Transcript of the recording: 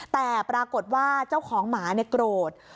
แต่ปรากฏว่าเจ้าของหมาโกรธ